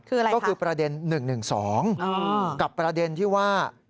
ก็คือประเด็น๑๑๒กับประเด็นที่ว่า